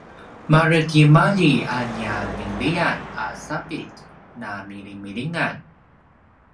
maretimalji a nia vinlian a sapitj na milimilingan